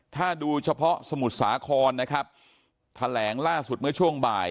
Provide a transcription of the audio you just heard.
ถ้าดูเฉพาะสมุทรสาครนะครับแถลงล่าสุดเมื่อช่วงบ่าย